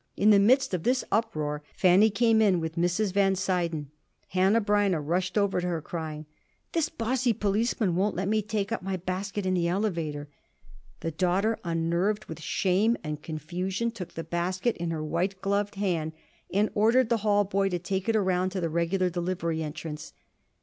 In the midst of this uproar Fanny came in with Mrs. Van Suyden. Hanneh Breineh rushed over to her, crying: "This bossy policeman won't let me take up my basket in the elevator." The daughter, unnerved with shame and confusion, took the basket in her white gloved hand and ordered the hall boy to take it around to the regular delivery entrance.